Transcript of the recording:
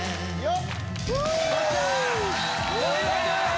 よっ！